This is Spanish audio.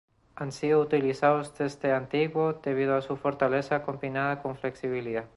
Han sido utilizadas desde antiguo debido a su fortaleza combinada con flexibilidad.